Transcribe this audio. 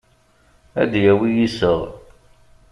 Ad d-yawi iseɣ.